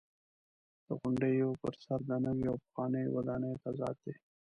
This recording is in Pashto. د غونډیو پر سر د نویو او پخوانیو ودانیو تضاد دی.